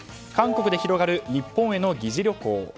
韓国で広がる日本への疑似旅行。